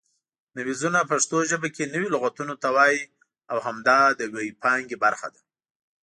نویزونه پښتو ژبه کې نوي لغتونو ته وایي او همدا د وییپانګې برخه ده